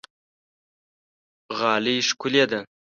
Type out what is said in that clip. غالۍ ښکلې ده.